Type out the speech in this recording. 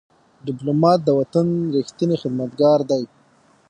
ډيپلومات د وطن ریښتینی خدمتګار دی.